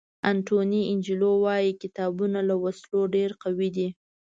انټوني انجیلو وایي کتابونه له وسلو ډېر قوي دي.